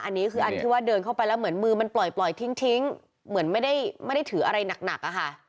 อันนี้คืออันที่ว่าเดินเข้าไปแล้วเหมือนมือมันปล่อยทิ้งเหมือนไม่ได้ถืออะไรหนักอะค่ะ